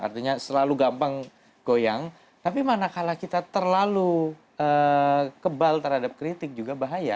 artinya selalu gampang goyang tapi manakala kita terlalu kebal terhadap kritik juga bahaya